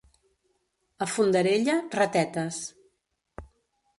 A Fondarella, ratetes.